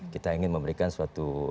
kita ingin memberikan suatu